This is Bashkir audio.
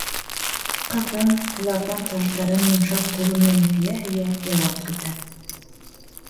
Ҡыҙым, уларҙың таждарын йомшаҡ ҡулы менән һөйә-һөйә, яуап көтә.